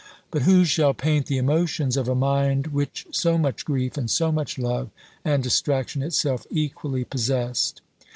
But who shall paint the emotions of a mind which so much grief, and so much love, and distraction itself, equally possessed!